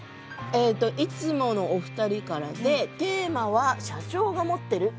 えといつものお二人からでテーマは社長が持ってるそれです。